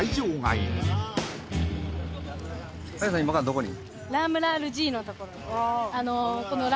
今からどこに？